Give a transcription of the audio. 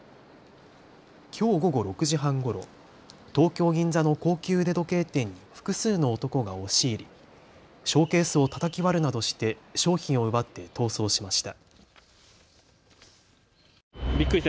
きょう午後６時半ごろ、東京銀座の高級腕時計店に複数の男が押し入りショーケースをたたき割るなどして商品を奪って逃走しました。